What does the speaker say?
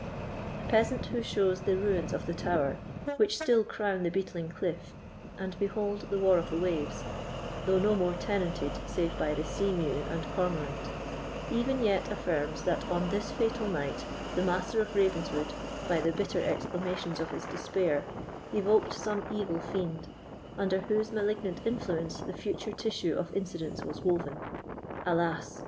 The peasant who shows the ruins of the tower, which still crown the beetling cliff and behold the war of the waves, though no more tenanted saved by the sea mew and cormorant, even yet affirms that on this fatal night the Master of Ravenswood, by the bitter exclamations of his despair, evoked some evil fiend, under whose malignant influence the future tissue of incidents was woven. Alas!